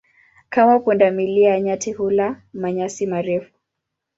Kama punda milia, nyati hula manyasi marefu.